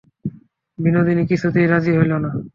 বিনোদিনী কিছুতেই রাজি হইল না।